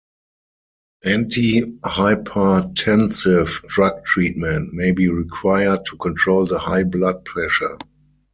Anti-hypertensive drug treatment may be required to control the high blood pressure.